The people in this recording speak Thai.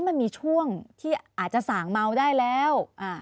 มันมีช่วงที่อาจจะส่างเมาได้แล้ว